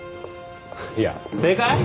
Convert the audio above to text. いや正解？